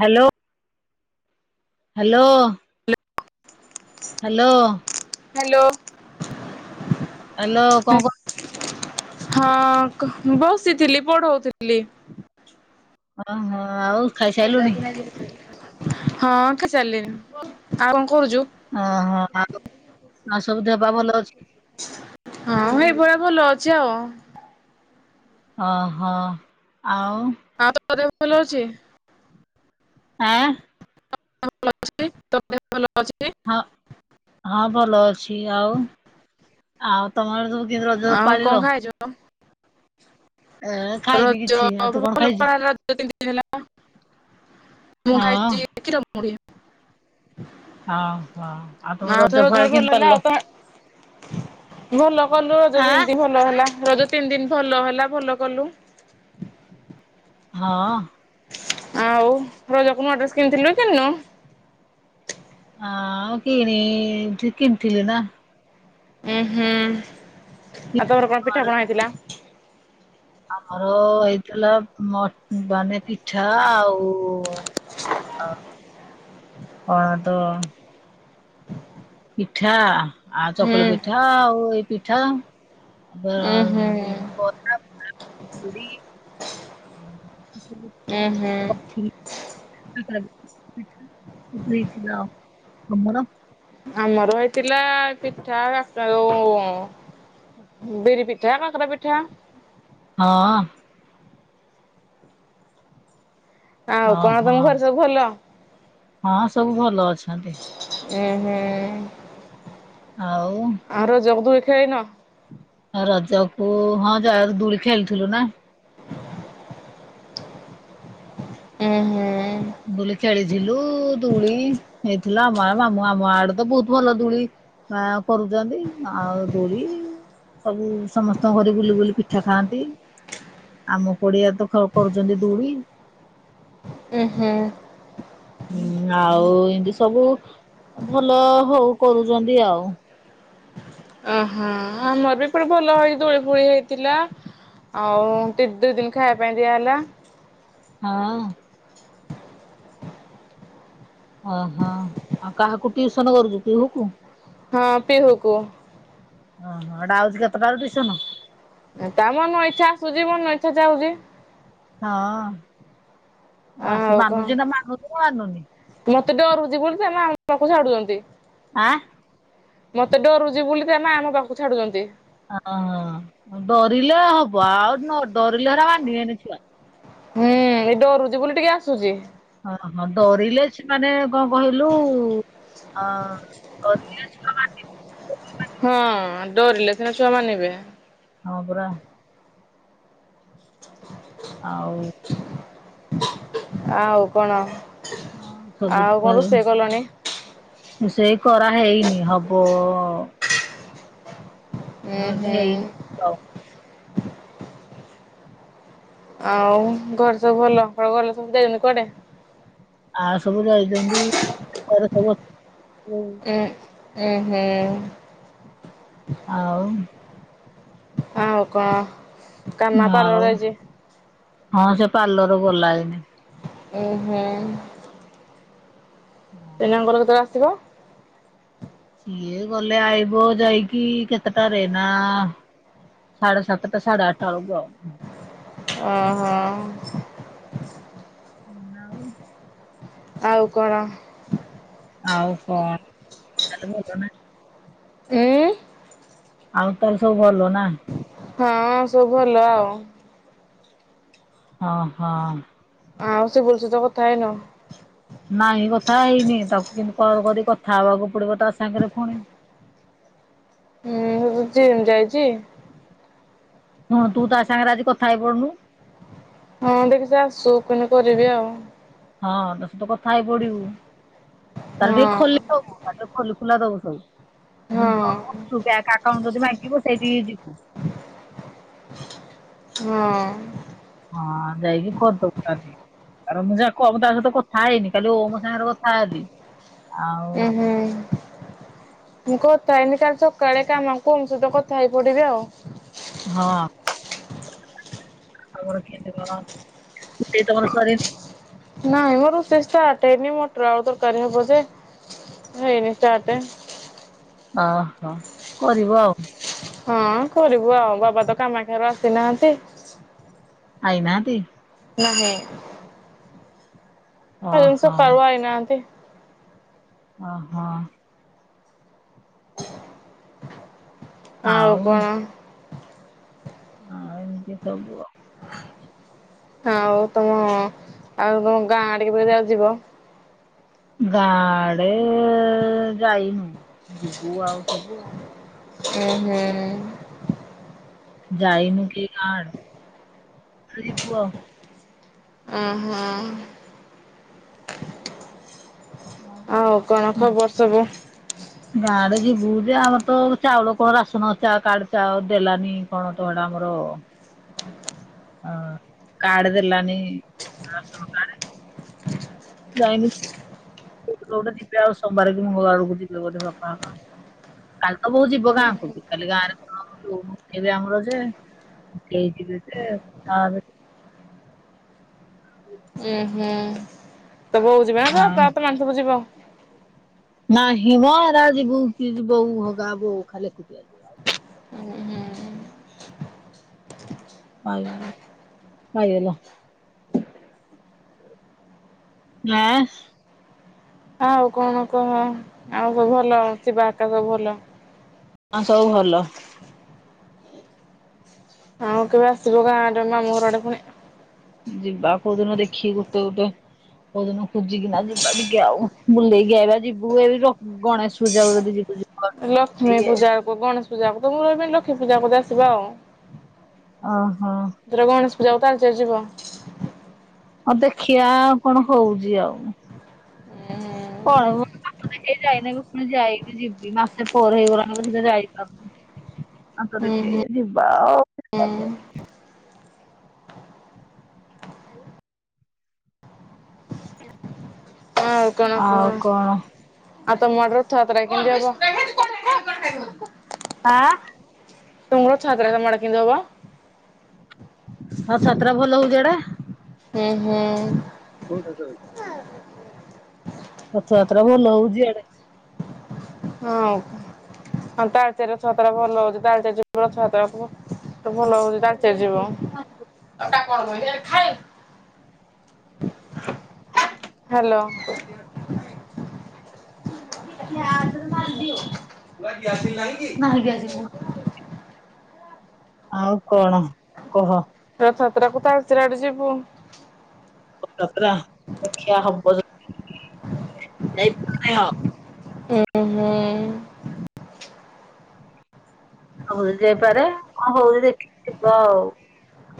Hello. Hello. Hello. Hello. Hello କଣ ହଁ ବସିଥିଲି ପଢ଼ଉଥିଲି। ଓହୋ ଆଉ ଖାଇସାରିଲୁଣି ହଁ, ଖାଇ ସାରିଲିଣି, ଆଉ କଣ କରୁଛୁ? ଓହୋଃ, ଆଉ ଆଉ ସବୁ ଦେହପା ଭଲ ଅଛି? ହଁ, ଏଇଭଳିଆ ଭଲ ଅଛି ଆଉ। ଅ ହଁ, ଆଉ? ଆଉ ତୋ ଦେହ ଭଲ ଅଛି? ଆଁ? ଭଲ ଅଛି, ତୋ ଦେହ ଭଲ ଅଛି କି? ହଁ, ହଁ, ଭଲ ଅଛି, ଆଉ ଆଉ ତମର ଯୋଉ ଆଉ କଣ ଖାଇଛ? ଏ ଖାଇନି ରଜ କିଛି ଆଉ ତୁ କଣ ଭଲ ଖାଇଛୁ? [unintelligible] ରଜ ତିନ ଦିନ ହେଲା, [unintelligible] ମୁଁ ହଁ ଖାଇଛି କ୍ଷୀର ମୁଢ଼ି। ହଁ, ହଁ, ଆଉ ତମ ତୋର ରଜ ଘରେ ଭଲ କେମିତି ହେଲା ପଳିଲ? ଆଉ ତମେ ଭଲ କଲୁ ରଜ ଆଁ ତିନି ଦିନ ଭଲ ହେଲା, ରଜ ତିନି ଦିନ ଭଲ ହେଲା ଭଲ କଲୁ। ହଁ। ଆଉ ରଜକୁ ନୂଆ ଡ୍ରେସ୍ କିଣିଥିଲୁ କି କିଣିନୁ? ଆଉ କିଣି କିଣିଥିଲି ନା। ଉୁଁ ହୁଁ, ଆଉ ତୋମର କଣ ପିଠା ପଣା ହେଇଥିଲା? ଆମର ହେଇଥିଲା ମ ମାନେ ପିଠା ଆଉ ଅଁ କଣ ତ? ପିଠା ଆଉ ହୁଁ ଚକୁଳି ପିଠା ଆଉ ଏଇ ପିଠା। ଉଁ ହୁଁ [inaudible] ଉଁ ହୁଁ [inaudible] ଆମର ହେଇଥିଲା ପିଠା [inaudible] ବିରି ପିଠା, କାକରା ପିଠା। ହଁ। ଆଉ କଣ ତମ ଓହୋଃ, ଘରେ ସବୁ ଭଲ? ହଁ ସବୁ ଭଲ ଅଛନ୍ତି। ଉଁ ହୁଁ। ଆଉ? ଆଉ ରଜକୁ ଦୂଳି ଖେଳିିନ? ରଜ କୁ ହଁ ଯା ଦୂଳି ଖେଳିଥିଲୁ ନା। ଉଁ ହୁଁ। ଦୋଳି ଖେଳିଥିଲୁ, ଦୋଳି ହେଇଥିଲା ଆମ ମାମୁ ଆମ ଆଡେ ତ ବହୁତ ଭଲ ଦୋଳି ଆଁ କରୁଛନ୍ତି, ଆଉ ଦୋଳି ସବୁ ସମସ୍ତଙ୍କ ଘରେ ବୁଲି ବୁଲି ପିଠା ଖାଆନ୍ତି। ଆମ ପଡିଆରେ ତ ଖେଳ କରୁଛନ୍ତି ଦୋଳି। ଉଁ ହୁଁ। ହୁଁ, ଆଉ ଏମିତି ସବୁ ଭଲ ହଉ କରୁଛନ୍ତି ଆଉ। ଓହୋଃ, ଆମର ବି ଏପଟେ ଭଲ ହେଇ ଦୋଳି ଫୋଳି ହେଇଥିଲା। ଆଉ ଟି ଦୁଇ ଦିନ ଖାଇବା ପାଇଁ ଦିଆ ହେଲା। ହଁ। ଓହୋଃ, ଆଉ କାହାକୁ ଟିଉସନ କରୁଛୁ ପିହୁକୁ? ହଁ, ପିହୁକୁ। ଓହୋଃ, ଏଇଟା ଆଉଛି କେତେଟା ବେଳେ ଟିଉସନ୍? ତାମ ମନ ଇଛା ଆସୁଛି, ମନ ଇଛା ଯାଉଛି। ହଁ ମୁଁ ଆସୁ ମାନୁଚି ନା ମାନୁଚି ନା ମାନୁନି। ମତେତ ଜୀବନ ସାରା ମୋ ପାଖକୁ ଛାଡୁଛନ୍ତି। ଆଁ। ମତେ ଡରୁଛି ବୁଲିକା ନା ତା ମା ଆମ ପାଖକୁ ଛାଡୁଛନ୍ତି। ହଁ ଡରିଲେ ହବ ଆଉ ନ ଡରିଲେ ହେରା ମାନିବେନି ଛୁଆ। ହୁଁ ଏଇ ଡରୁଚି ବୋଲି ଟିକେ ଆସୁଚି। ଅହ ଡରିଲେ ଛି ମାନେ କଣ କହିଲୁ ଅ କରଲିଅଛିଅ। ହଁ ଡରିଲେ ସିନା ଛୁଆ ମାନିବେ। ହଁ ପରା। ଆଉ। ଆଉ କଣ ଆଉ କଣ ରୁଷେଇ କଲୁଣି? ରୋଷେଇ କରା ହେଇନି ହବ। ନହେଲେ ହୁଁ ହେଇନି ହୁଁ। ଆଉ ଆଉ ଘରେ ସବୁ ଭଲ? ଆ ସବୁ ଯାଇଛନ୍ତି। ଉଁ ଉଁ ହୁଁ। ଆଉ। ଆଉ କଣ? କାମା ପାର୍ଲର ଆଉ ଯାଇଛି। ହଁ ସେ ପାର୍ଲର ଗଲା ଏଇନା। ଉଁ ହୁଁ। ପିଲାଙ୍କର କେତେଳେ ଆସିବ? ଇଏ ଗଲେ ଆଇବ ଯାଇକି କେତେଟାରେ ନା। ସାଢେ ସାତଟା ସାଢ଼େ ଆଠଟା ବୋଳୁକୁ ଆଉ। ଓ ହୋ। ନାଉ। ଆଉ କଣ? ଆଉ କଣ? ଏଁ। ଆଉ ତାହେଲେ ସବୁ ଭଲ ନା? ହଁ ସବୁ ଭଲ ଆଉ। ଓ ହ। ଆଉ ସିବୁନୁ ସହି ତ କଥା ହେଇନ? ନାଇଁ କଥା ହେଇନି ତାକୁ କିନ୍ତୁ କଲ କରି କଥା ହେବାକୁ ପଡିବ ତା ସାଙ୍ଗରେ ପୁଣିି। ଏମ୍ ଯାଇଚି। ହଁ ତୁ ତା ସାଙ୍ଗରେ ଆଜି କଥା ହେଇ ପଡୁନୁ। ହଁ ଟିକିଏ ଯାଉଚି ସୋ କିନ୍ କରିବି ଆଉ। ହଁ ତା ସ ତ କଥା ହେଇ ପଡିବୁ ତାର ହଁ ଟିକେ ଖୋଲି ସବୁ ପାଠ ଖୋଲି ଖୋଲା ଦଉଥିବୁ। ହଁ ତୁ ବ୍ୟାଙ୍କ ଏକାଉଣ୍ଟ୍ ଯଦି ମାଗିବୁ ସେଠିକି ଯିବୁ। ଥଁ। ହଁ ଯାଇକି କରି ଦବୁ ତାହାନେ। ଆ ମୁଁ ଯା କହୁଚି ତା ସହିତ କଥା ହେଇନି କାଲି ମୁଁ ଓମ ସାଙ୍ଗରେ କଥା ହେଲି ଆଉ। ଉଁ ହୁଁ। ମୁଁ କଥାହେଇନି କାଲି ସକାଳେ କାମକୁଁ ସହିତ କଥା ହେଇ ପଡିବି ଆଉ। ହଁ। ତମର କେ ସେ ତମର ସରି [unintelligible] ନାଇଁ ମୋ ରୋଷେଇ ଷ୍ଟାର୍ଟ ହେଇନି ମଟର ଆଳୁ ତରକାରୀ ହେବ ଯେ ହେଇନି ଷ୍ଟାର୍ଟେ ଓଁ ହଁ କରିବ ଆଉ ହଁ କରିବୁ ଆଉ ବାବା ତ କାମାକ୍ଷାରୁ ଆସିନାହାନ୍ତି। ଖାଇନାହାନ୍ତି? ନାହିଁ ଏ ଶୁ ଓହୋ [unintelligible] ପାଉଆ କରଇ ନାହାନ୍ତି ଓ ହୋ। ଆଉ ହଁ ଏମିତି ସବୁ ହଁ ଆଉ ତମ ଆଉ ତମ ଗାଁ ଆଡିକେବେ ଆଉ ଯିବ। ଗାଁ ଆଡେ ଯାଇନୁ ଯିବୁ ଆଉ ସବୁ ଆଉ ଉଁ ହୁଁ ଯାଇନୁ କି କାଡ ପୁଅ ଉଁ ହୁଁ ଆଉ କଣ ଖବର ସବୁ? ହଁ [unintelligible] ଗାଁ ରେ ଯିବୁ ଯେ ଆମର ତ ଚାଉଳ କଣ ରାସନ ଚା କାର୍ଡ ଚା ଦେଲାନି କଣ ତମଡେ ଆମର ହ କାର୍ଡ ଦେଲାନି ରାସନ କାର୍ଡ ଯାଇନିବେ ଗୋଟେ ଯିବେ ଆଉ ସୋମବାର କି ମଙ୍ଗଳ ବାର ଆଡ଼କୁ ଯିବେ ବୋଧେ ବାପା କାଲି ତ ବୋଉ ଯିବ ଗାଁକୁ କାଲି ଗାଁରେ କଣେଇ ଆମର ଯେ କେଜି ଆ [unintelligible] ଉୁଁ ହୁଁ ତ ବୋଉ ଯିବେ ନା ତୋ ବାପା ତମେ ମାନେ ସବୁ ଯିବ। ନା ହିମରାଜିବୋ କି ଯ ବୋଉ ହଗା ବୋଉ ଖାଲି ଏକୁଟିଆ ଯିବ ପାଇ ପାଇଗଲ ହଁ। ଆଉ କଣ କୁହ ଆଉ ସବୁ ଭଲ ଆଉ ଶିବା ଆକା ସବୁ ଭଲ ହଁ ସବୁ ଭଲ ଆଉ କେବେ ଆସିବ ଗାଁ ଆଡେ ମାମୁ ଘର ଆଡେ ପୁଣି ଯିବା କୋଉଦିନ ଦେଖିକି ଗୋଟେ ଗୋଟେ [unintelligible] ଓେନୁ ଖଜି କି ନା ଯମା ଟଡିଗଉ ମୁଲ ଗବେ ଯିିବୁ ଏ ର [unintelligible] ଗଣେଶ ପୂଜା ବେଳେ ଯଦି ଯିବୁ ଯିବୁ ଲକ୍ଷ୍ମୀ ଟିକେ ପୂଜା ଗଣେଶ ପୂଜା କ ତ ମୁଁ ରହିବିନି ଲକ୍ଷ୍ମୀ ପୂଜା କଦ ଆସିବା ଆଉ ଓହୋ। ଦ୍ର ଗଣେଶୂଜା ତାେ ଚ ଯିବ ହଁ ଦେଖିବା କଣ ହଉଛି ଆଉ କଣ? ଦେଖ ଯାଇନହିଁ ମୁଁ ପୁଣି ଯାଇନି ଯିବି ମାସେ ପରେ ହେଇଗଲାଣି ସେ ଯାଇପାରୁନୁ ଆଉ ତ ଦେଖିବ ଯିବା ଆଉ ହଁ। ହଁ ଆଉ କଣ କୁହ ଆଉ କଣ ଆଉ ତ ମଡର ଥଆାତ ଟା କେମିତି ହବ ଆଁ [unintelligible] ତୁଙ୍ଗରୋଛାତ ମାଡକିଓବା [unintelligible] ଆଉ ସାତଟା ଭଲ ହଉଛିଡା ହୁଁ ହୁଁ। ହଉ ତା ସାର ରଥଯାତ୍ରା ଭଲ ହଉଛି ଆଡେ। ହଁଉ ତାଳଚେ ର ଛତ ଟା ଭଲ ହଉଛି ତାଳଚେ [unintelligible] ରଥଯାତ୍ରା ଭ ଭଲ ହଉଛି ଡାକିଯିବ। ଏଟା କଣ [unintelligible] ହ୍ୟାଲୋ। ଗ୍ୟାସରେ ମାରି ଦିଅ ଦିଆସିଲି ନାହିଁକି ନାହିଁ ଦିଆସିଲି। ଆଉ କଣ କୁହ? ରଥାତ୍ରା କତାଳଚରଡେ ଯିବୁ। ଯାତ୍ରା ଦେଖିଆ ହବ ଯଦି [unintelligible] ହୁଁ ହୁଁ। ହଉ ଯାଇପାରେ କଣ ହଉଛି ଦେଖିକି ଯିବା ଆଉ।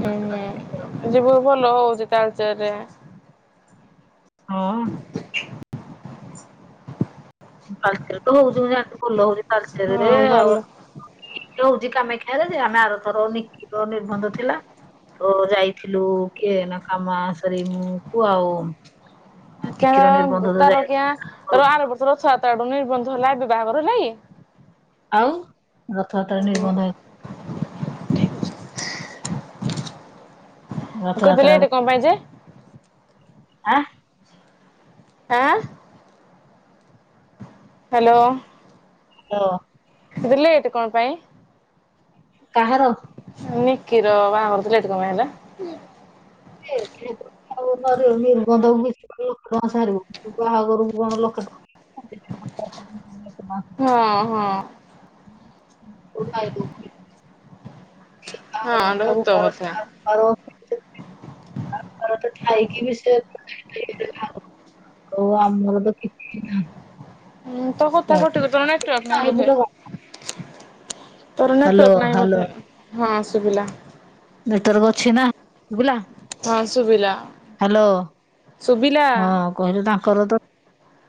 ଉଁ ହୁଁ ଦେଖିବା। ଯିବୁ ଭଲ ହଉଛି ତାଲଚରରେ। ହଁ। ଛ [unintelligible] ତାଳଚେର ତ ହଉଛି ମୁଁ ଯାସିଛି ଭଲ ହଉଛି ତାଳେ ଚରରେ ହଁ ଆଉ। ଭଲ ଇଏ ହଉଛି କାମେକ୍ଷାରେ ଯେ ଆମେ ଆରଥକ ନିକି ର ନିିର୍ବନ୍ଧ ଥିଲା। ତ ଯାଇଥିଲୁ କିଏ ନା କାମ ସରି ମୁ କୁ ଆଉ କା ନିକିର ନିର୍ବନ୍ଧ ତ ତାର ଯାଇ କି ଆର ବର୍ଷ ରଥଯାତ୍ରା ଟୁ ନିର୍ବନ୍ଧ ହେଲା ଏବେ ବାହାଘର ହେଲା କି? ଆଉ ରଥଯାତ୍ରାରେ ନିର୍ବନ୍ଧ ହେଇ। କହୁଥିଲେ ରଥଯାତ୍ରା କୁ ଏଇଠୁ କଅଁ ପାଇଁ ଯେ ଆଁ ଆଁ। ହ୍ୟାଲୋ। ହାଲୋ। ଦିଲି ଏଠି କଣ ପାଇଁ। କାହାର। ନିକିର ବାହାଘରଥିଲା ଏଠି କଅଁ ହେଲା? ସିଏ କିଣନ୍ତୁ। ଆଉ ନିର୍ବନ୍ଧକୁ ବିସିନୁଁ ଲକ୍ଷ୍ୟେଙ୍କା ସାରିବ ବାହାଘରକୁ କଣ ଲକ୍ଷ୍ୟେ କଙ୍କା। ହଁ ହଁ। ଆ ହଁ ଏଟା ତା ସତ ଭରସ କଥା। [unintelligible] ଆଉ ଥରେଟେ ତ ଖାଇକି ବି ସେ ହଉ ଆମର ତ କିଛି ନାଇ। ହୁଁ ତୋ କଥା କଟି କଟିଗଲା କିଛି ନେଟୱାର୍କ ନାଇ ନାହିଁ ବୋଧେ। ବୁଲ ତୋର ହ୍ୟାଲୋ ନେଟୱ୍ଵାର୍କ ନାହିଁ ହ୍ୟାଲୋ ବୋଧେ ହଁ ଶୁଭିଲା। ନେଟୱାର୍କ ଅଛି ନା ଶୁବିଲା? ହଁ ଶୁବିଲା ହ୍ୟାଲୋ ହଁ କୁହନ୍ତୁ ତାଙ୍କର ତ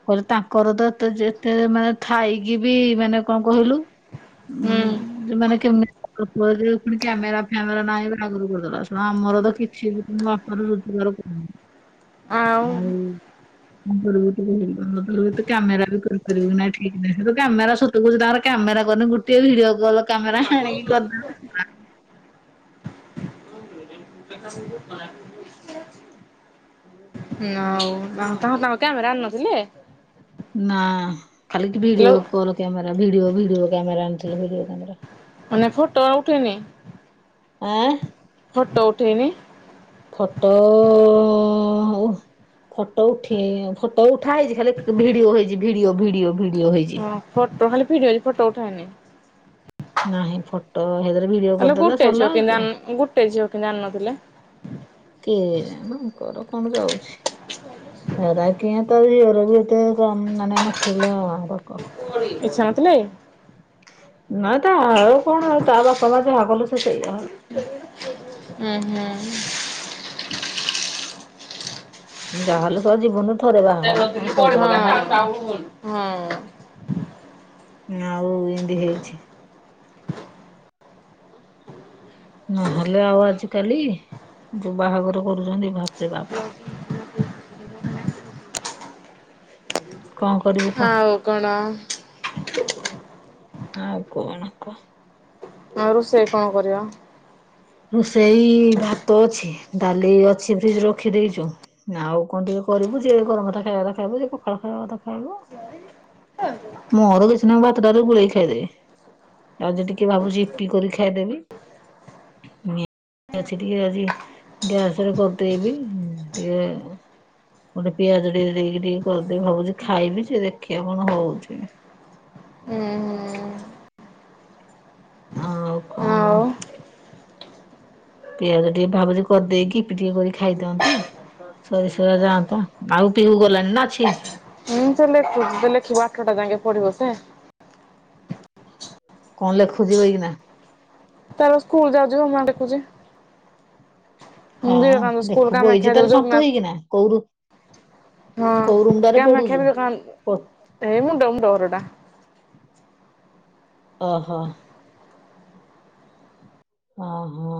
କହିଲେ ତାଙ୍କର ତ ଏତେ ଯେତେ ମା ଥାଇକି ବି ମାନେ କଣ କହିଲୁ। ହୁଁ ଯେ ମାନେ କେମି କପ ପୁଣି କ୍ୟାମେରା ଫ୍ୟାମେରା ନାହିଁ ଲାଗରୁ କରିଦେଲା ଆମର ତ କିଛି ବି ବାପାରୁ ରୁଜଗାର ଆଉ ଆଉର ତୁ କ୍ୟାମେରା ବି କର [unintelligible] କରିବୁ ନା ଠିକ ନହିଁ। ତୁ କ୍ୟାମେରା ତୁଛି ତାଙ୍କର କ୍ୟାମେରା କରନି ଗୋଟେ ଭିଡିଓ କଲ କାମେରା ଆଣିକି କରିଦବ। ନ ଆଉ ତା ତାଙ୍କ କାମରେ ଆଣି ନଥିଲେ ନା ଖାଲି low video call camera video video camera ଆଣିଥିଲେ ଭିଡିଓ କ୍ୟାମେରା। ମାନେ ଫୋଟୋ ଉଠେନି। ଆଁ ଫଟୋ ଉଠେଇନି। ଫଟୋ ଓ ହଉ ଫଟୋ ଉଠେଇ ଫଟ ଉଠା ହେଇଛି ଖାଲି ଭିଡିଓ ହେଇଛି ଭିଡିଓ ଭିଡିଓ ଭିଡି ହଁ ଫଟୋ ଖାଲି ଭିଡିଓ ଅଛି ଫଟୋ ଉଠାଏନି। ନାହିଁ ଫଟୋ ସେଇଦରେ ଭିଡିଓ ଆଲୋ କରିଦେଲେ ଗୋଟେ ଝିଅ ସଲା ଅଉ କେମିତି କିରା? ଆଣି ଗୋଟେ ଝିଅ କେମିତି ଆଣିନଥିଲେ? କିଏ ଯା ତମ କର କଣ ଯାଉଛି? ଏରା କି ତ ଝିଅର ବି ଏତେ କମ ମାନେ ନଥିଲା ଆ ରକ। [unintelligible] ନାଇଁ ତା ଆଉ କଣ ଆଉ ତା ବାପା ମା ଯାହା କଲେ ସେ ସେୟା। ହୁଁ ହୁଁ ଯାହାଲେ ତା ଯିବୁନୁ ହଁ ହଁ ଆଉ ଏମିତି ହେଇଛି। ନହେଲେ ଆଉ ଆଜିକାଲି ଯୋଉ ବାହାଘର କରୁଛନ୍ତି ବାପରେ ବାପ। କଣ କରିବୁ କହ? ଆଉ କଣ? ଆଉ କାଉନ କୁହ। ହ ରୋଷେଇ କଣ କରିବ? ରୋଷେଇ ଭାତ ଅଛି ଡାଲି ଅଛି ଫ୍ରିଜରେ ରଖି ଦେଇଛୁ। ଆଉ କଣ ଟିକେ କରିବୁ ଯିଏ ଗରମ ମଥା ଖାଇବା କଥା ଖାଇବ ଯ ପଖଳ ଖାଇବା କଥା ଖାଇବ। ମୁହର କିଛି ନାଙ୍କ ବାତଟ ରେ ବୁଳେଇ ଖାଇଦେ ଆଯି ଟିକେ ଭାବୁଛି ଇପି କରି ଖାଇଦେବି। ଛି ଟି [unintelligible] କ ଅଜି ଗ୍ୟାସ ରେ କରିଦେଇବି। ଟିକେ ଗୋଟେ ପିଆଜ ଟିକେ ଦେଇକି ଟିକେ କରିଦେଇ ଭାବୁଛି ଖାଇବି ସେ ଦେଖିବା କଣ ହଉଛି। ହୁଁ ହୁଁ ଆଉ କଣ ଆଉ ପିଆଜ ଟିକେ ଭାବୁଛି କରିଦେଇକି ଇପି ଟିକେ କରି ଖାଇଦିଅନ୍ତି। ସରିଷଆ ଯାଆ ତ ଆଉ ପିଉ ଗଲାଣି ନା ଅଛି? ହୁଁ ତ ଲେଖୁଚି ଲେଖିବୁ ଆଠଟା ଯାକେ ପଢିବ ସେ। କଣ ଲେଖୁଛିି ବାଇକିନା? ତାର ସ୍କୁଲ ଯାଉଛି ହୋମୱର୍କ ଲେଖୁଛି। ହଁ ବିବେକାନନ୍ଦ ସ୍କୁଲ ଦେଖିବୁ ଏଇ କାମାକ୍ଷା ଯେ ଯୋଉ ତାହେଲେ ଶନ୍ତ ଜଗନ୍ନାଥ ହେଇକିନା। କୋଉ ରଋ ହଁ କମଖ ପଡୁଛୁ? ମୁଡ [unintelligible] ଏଇ ମୁଣ୍ଡ ପ୍ଲୋର ତ। ଓହୋ ଓ ହଁ